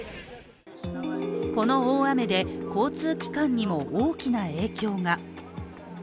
この大雨で交通機関にも大きな影響が。